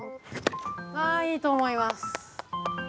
あいいと思います！